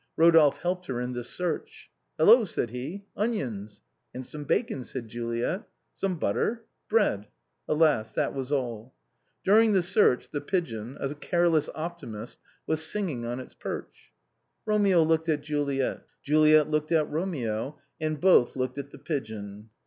Rodolphe helped her in this search. " Hello/' said he, " onions." " And some bacon/' said Juliet. "Some butter?" " Bread." Alas ! that was all. During the search the pigeon, a careless optimist, was singing on its perch. Romeo looked at Juliet, Juliet looked at Romeo, and both looked at the pigeon.